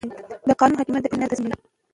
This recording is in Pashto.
د قانون حاکمیت د ټولنې نظم تضمینوي